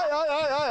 おい